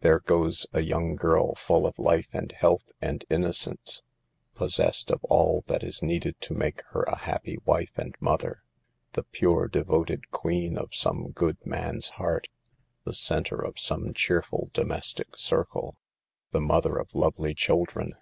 There goes a young girl full of life and health and innocence, possessed of all that is needed to make her a happy wife and mother, the pure, devoted queen of some good,* man's heart, the center of some cheerful do mestic circle, the mother of lovely children.